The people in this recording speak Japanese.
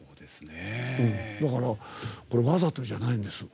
だから、わざとじゃないんです。